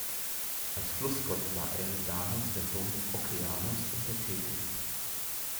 Als Flussgott war Eridanos der Sohn des Okeanos und der Tethys.